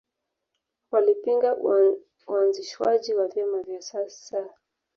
Walipinga uanzishwaji wa vyama vya siasa